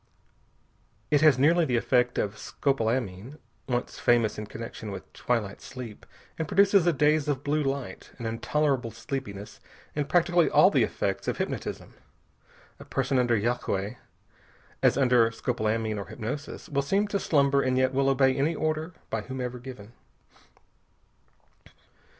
It has nearly the effect of scopolamine once famous in connection with twilight sleep and produces a daze of blue light, an intolerable sleepiness, and practically all the effects of hypnotism. A person under yagué, as under scopolamine or hypnosis, will seem to slumber and yet will obey any order, by whomever given.